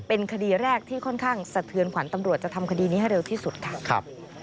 เป็นคดีแรกที่ค่อนข้างสะเทือนขวัญตำรวจจะทำคดีนี้ให้เร็วที่สุดค่ะ